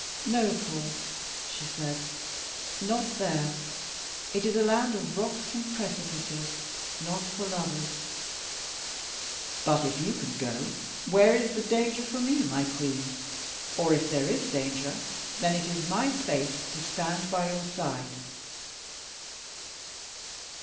"No, Paul," she said. "Not there. It is a land of rocks and precipices not for lovers." "But if you can go where is the danger for me, my Queen? Or, if there is danger, then it is my place to stand by your side."